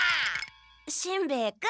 しんべヱ君。